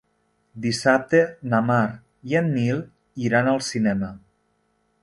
Dissabte na Mar i en Nil iran al cinema.